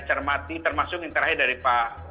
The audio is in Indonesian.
cermati termasuk yang terakhir dari pak